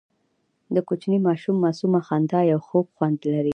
د کوچني ماشوم معصومه خندا یو خوږ خوند لري.